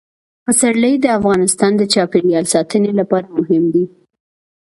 پسرلی د افغانستان د چاپیریال ساتنې لپاره مهم دي.